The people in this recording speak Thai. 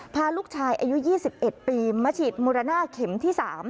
พาลูกชายอายุ๒๑ปีมาฉีดโมโรนาเข็มที่๓